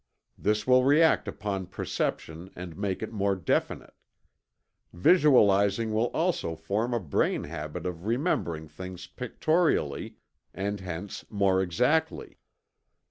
This will react upon perception and make it more definite. Visualizing will also form a brain habit of remembering things pictorially, and hence more exactly."